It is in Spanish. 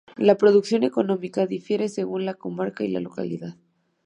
La producción económica difiere según la comarca y la localidad.